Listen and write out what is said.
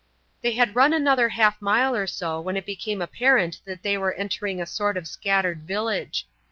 They had run another half mile or so when it became apparent that they were entering a sort of scattered village.